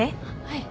はい。